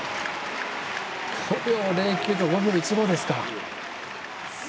５秒０９と、５秒１５ですか。